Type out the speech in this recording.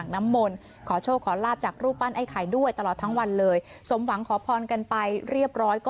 สมหวังขอพรก่อนเรียบร้อย